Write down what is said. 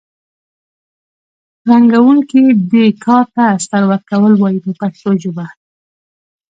رنګوونکي دې کار ته استر ورکول وایي په پښتو ژبه.